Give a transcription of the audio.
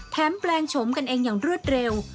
แปลงโฉมกันเองอย่างรวดเร็ว